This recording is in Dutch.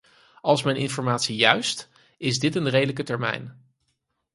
Als mijn informatie juist, is dit een redelijke termijn.